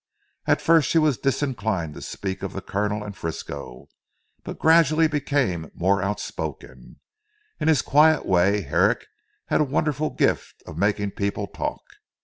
At first she was disinclined to speak of the Colonel and Frisco, but gradually became more outspoken. In his quiet way Herrick had a wonderful gift of making people talk.